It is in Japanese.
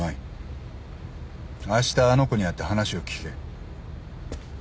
あしたあの子に会って話を聞け。